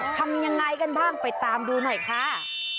ทำยังไงกันบ้างไปตามดูหน่อยค่ะ